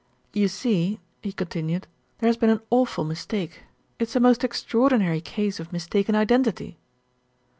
"You see," he continued, "there has been an awful mistake. It's a most extraordinary case of mistaken identity."